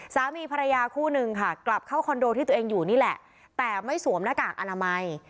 สามีภรรยาคู่นึงค่ะกลับเข้าคอนโดที่ตัวเองอยู่นี่แหละแต่ไม่สวมหน้ากากอนามัย